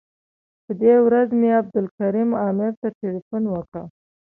په دې ورځ مې عبدالکریم عامر ته تیلفون وکړ.